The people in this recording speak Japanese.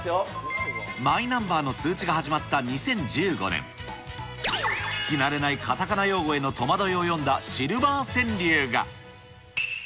マイナンバーの通知が始まった２０１５年、聞き慣れないかたかな用語への戸惑いを詠んだシルバー川柳が。